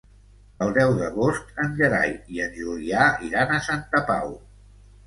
El deu d'agost en Gerai i en Julià iran a Santa Pau.